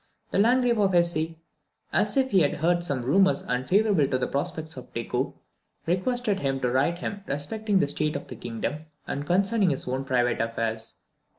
The Landgrave of Hesse, as if he had heard some rumours unfavourable to the prospects of Tycho, requested him to write him respecting the state of the Kingdom, and concerning his own private affairs.